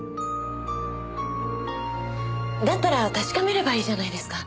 だったら確かめればいいじゃないですか。